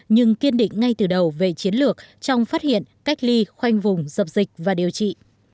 nhưng kiên định ngay từ đầu về chiến lược trong phát hiện cách ly khoanh vùng dập dịch và điều trị